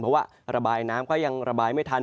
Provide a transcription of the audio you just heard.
เพราะว่าระบายน้ำก็ยังระบายไม่ทัน